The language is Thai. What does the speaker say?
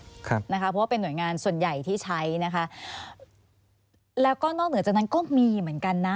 เพราะว่าเป็นหน่วยงานส่วนใหญ่ที่ใช้นะคะแล้วก็นอกเหนือจากนั้นก็มีเหมือนกันนะ